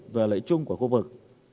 và lợi chung của khu vực